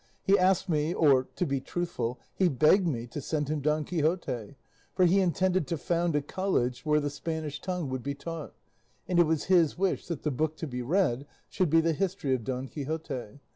He asked me, or to be truthful, he begged me to send him Don Quixote, for he intended to found a college where the Spanish tongue would be taught, and it was his wish that the book to be read should be the History of Don Quixote.